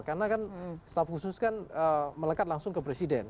karena kan staff khusus kan melekat langsung ke presiden